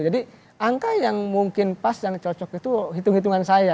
jadi angka yang mungkin pas yang cocok itu hitung hitungan saya